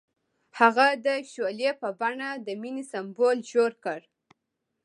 هغه د شعله په بڼه د مینې سمبول جوړ کړ.